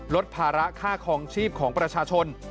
ลดภาระค่าคลองชีพของประชาชน